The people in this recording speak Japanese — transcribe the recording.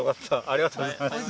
ありがとうございます。